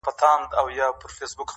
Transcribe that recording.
• د مغرور عقل په برخه زولنې کړي -